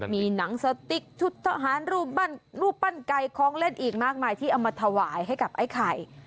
มีหนังสติ๊กชุดทหารรูปปั้นไก่ของเล่นอีกมากมายที่เอามาถวายให้กับไอ้ไข่